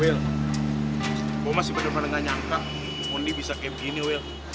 wil gue masih bener bener gak nyangka moni bisa kayak begini wil